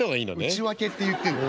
内訳って言ってんの？